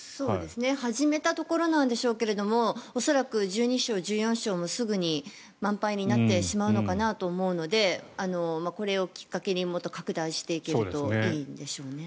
始めたところなんでしょうけれども恐らく１２床、１４床もすぐに満杯になるかなと思うのでこれをきっかけにもっと拡大していけるといいんでしょうね。